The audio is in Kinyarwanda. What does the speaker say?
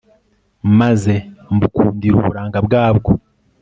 maze mbukundira uburanga bwabwo